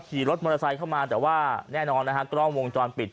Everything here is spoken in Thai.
ขี่รถมอเตอร์ไซค์เข้ามาแต่ว่าแน่นอนนะฮะกล้องวงจรปิด